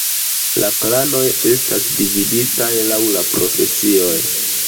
La klanoj estas dividitaj laŭ la profesioj.